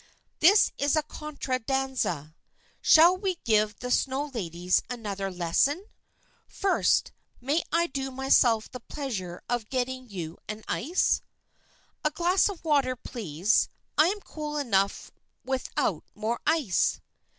"This is a contra danza; shall we give the snow ladies another lesson? First, may I do myself the pleasure of getting you an ice?" "A glass of water, please; I am cool enough without more ice."